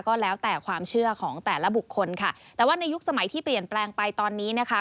ก็แล้วแต่ความเชื่อของแต่ละบุคคลค่ะแต่ว่าในยุคสมัยที่เปลี่ยนแปลงไปตอนนี้นะคะ